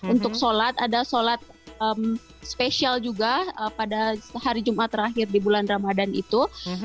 untuk salat ada salat spesial juga pada hari juma terakhir di bulan ramadhan itu